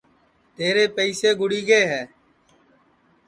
تیرے پئیسے گُڑی گے ہے